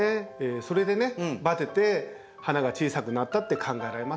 それでバテて花が小さくなったって考えられますね。